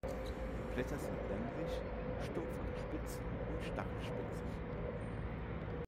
Die Blätter sind länglich, stumpf oder spitz und stachelspitzig.